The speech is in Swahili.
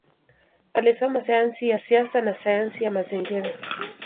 Alisoma sayansi ya siasa na sayansi ya mazingira.